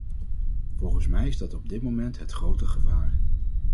Volgens mij is dat op dit moment het grote gevaar.